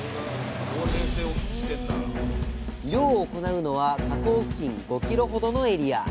漁を行うのは河口付近５ｋｍほどのエリア。